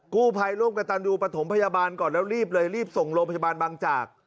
กู้ภัยร่วมกับตันดูปฐมพยาบาลก่อนแล้วรีบเลยรีบส่งโรงพยาบาลบางจาก